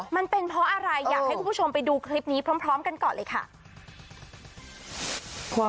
มันเป็นเพราะอะไรอยากให้คุณผู้ชมไปดูคลิปนี้พร้อมกันก่อนเลยค่ะ